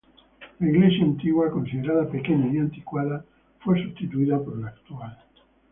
La iglesia antigua, considerada pequeña y anticuada, fue sustituida por la actual.